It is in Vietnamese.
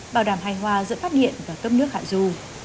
bảo đảm hài hòa giữa phát điện và cấp nước hà dũ